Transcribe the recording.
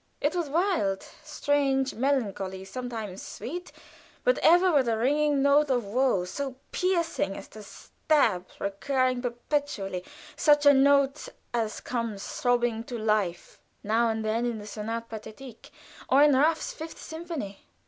It was wild, strange, melancholy, sometimes sweet, but ever with a ringing note of woe so piercing as to stab, recurring perpetually such a note as comes throbbing to life now and then in the "Sonate Pathetique," or in Raff's Fifth Symphony.